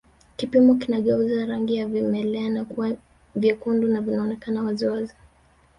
Kipimo kinageuza rangi ya vimelea na kuwa vyekundu na vinaonekana wazi wazi